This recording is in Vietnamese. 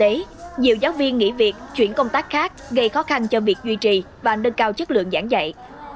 vì vậy nhiều giáo viên nghỉ việc chuyển công tác khác gây khó khăn cho việc duy trì và nâng cao chất lượng giảng dạy